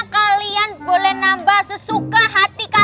kik mbak mirna